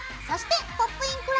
そして「ポップイン！